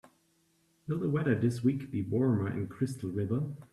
Will the weather this week be warmer in Crystal River?